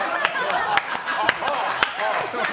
ああ。